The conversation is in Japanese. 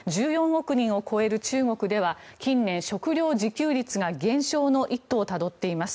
１４億人を超える中国では近年、食料自給率が減少の一途をたどっています。